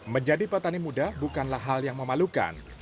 menjadi petani muda bukanlah hal yang memalukan